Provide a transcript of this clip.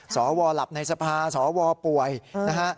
สวหลับในสภาสวป่วยนะฮะ